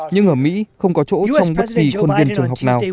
nhưng ở mỹ không có chỗ trong bất kỳ khuôn viên trường học nào